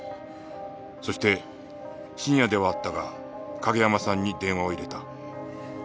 そして深夜ではあったが景山さんに電話を入れた。